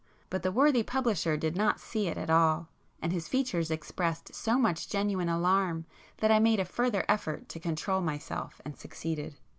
But the worthy publisher did not see it at all—and his features expressed so much genuine alarm that I made a further effort to control myself and succeeded.